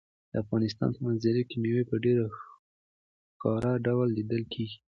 د افغانستان په منظره کې مېوې په ډېر ښکاره ډول لیدل کېږي.